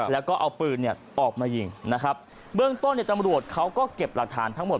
แล้วก็เอาปืนออกมายิงนะครับเบื้องต้นตำรวจเขาก็เก็บรัฐานทั้งหมด